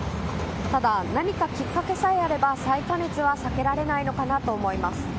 ただ、何かきっかけさえあれば再加熱は避けられないのかなと思います。